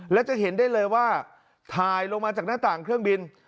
และจะเห็นได้เลยว่าถ่ายลงมาจากหน้าต่างเครื่องบิน